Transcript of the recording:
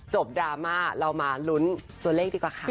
ดราม่าเรามาลุ้นตัวเลขดีกว่าค่ะ